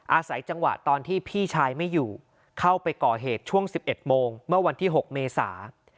อาศัยจังหวะตอนที่พี่ชายไม่อยู่เข้าไปก่อเหตุช่วง๑๑โมงเมื่อวันที่๖เมษา